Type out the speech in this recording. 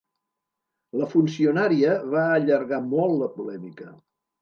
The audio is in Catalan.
La funcionària va allargar molt la polèmica.